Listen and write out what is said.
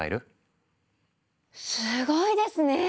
すごいですね！